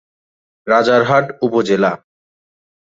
রাজারহাট উপজেলা